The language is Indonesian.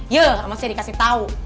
ya masih dikasih tahu